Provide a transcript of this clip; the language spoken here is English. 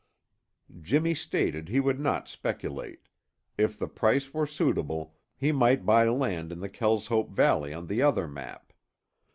Jimmy stated he would not speculate; if the price were suitable, he might buy land in the Kelshope valley on the other map.